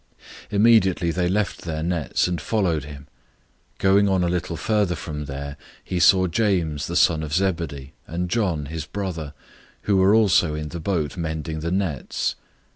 001:018 Immediately they left their nets, and followed him. 001:019 Going on a little further from there, he saw James the son of Zebedee, and John, his brother, who were also in the boat mending the nets.